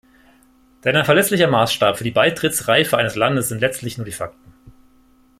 Denn ein verlässlicher Maßstab für die Beitrittsreife eines Landes sind letztlich nur die Fakten.